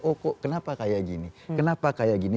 oh kok kenapa kayak gini kenapa kayak gini